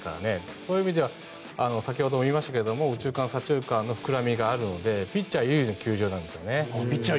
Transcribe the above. そういう意味では先ほども言いましたが右中間左中間の膨らみがあるのでピッチャー有利な球場なんです。